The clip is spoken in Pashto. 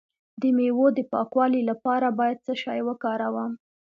د میوو د پاکوالي لپاره باید څه شی وکاروم؟